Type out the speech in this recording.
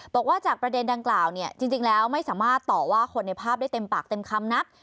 บอกว่าจากประเด็นดังกล่าวเนี่ยจริงแล้วไม่สามารถต่อว่าคนในภาพได้เต็มปากเต็มคำนัก